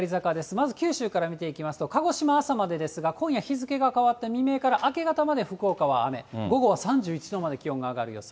まず九州から見ていきますと、鹿児島は朝までですが、今夜、日付が変わって未明から明け方まで福岡は雨、午後は３１度まで気温が上がる予想。